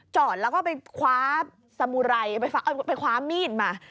จอดแล้วก็ออกไปคว้ามีดมา